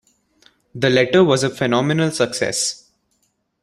The letter was a phenomenal success.